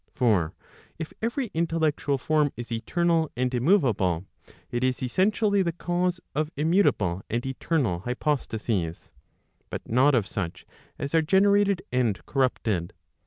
For if every intellectual form is eternal and immoveable, it is essentially the cause of immutable and eternal hypostases, but not of such as are generated and corrupted.